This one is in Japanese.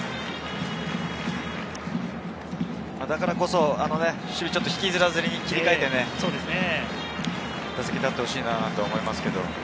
だからこそ守備を引きずらずに切り替えて、打席に立ってほしいなと思います。